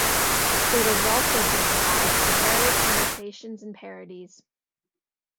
It has also given rise to various imitations and parodies.